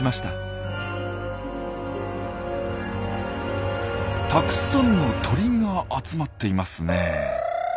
たくさんの鳥が集まっていますね。